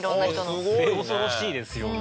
末恐ろしいですよね。